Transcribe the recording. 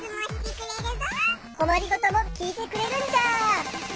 こまりごともきいてくれるんじゃ！